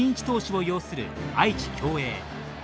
投手を擁する愛知・享栄。